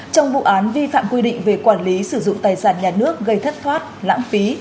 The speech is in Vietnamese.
trong vụ án vi phạm quy định về quản lý sử dụng tài sản nhà nước gây thất thoát lãng phí